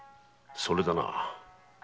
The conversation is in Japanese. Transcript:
それだな。